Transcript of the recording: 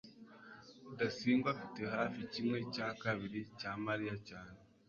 rudasingwa afite hafi kimwe cya kabiri cya mariya cyane